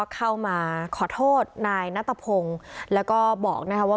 เข้ามาขอโทษนายนัตตะพงศ์แล้วก็บอกนะคะว่า